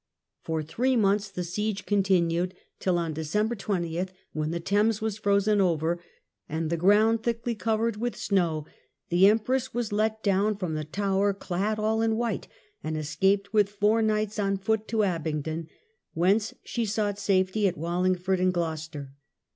For three months the siege con tinued, till on December 20, when the Thames was frozen FUehtof ^^^^^^^'^® ground thickly covered with Matilda from snow, the empress was let down from the Oxford. tower clad all in white, and escaped with four knights on foot to Abingdon, whence she sought safety at Wallingford and Gloucester.